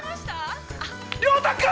亮太君！